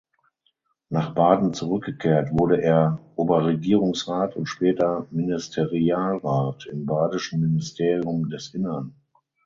Nach Baden zurückgekehrt wurde er Oberregierungsrat und später Ministerialrat im Badischen Ministerium des Innern.